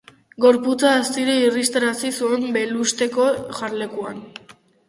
Gorputza astiro irristarazi zuen belusezko jarlekuan.